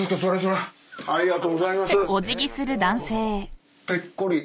ありがとうございます。